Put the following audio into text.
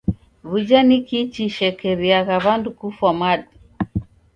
W'uja ni kii chishekeriagha w'andu kufwa madu?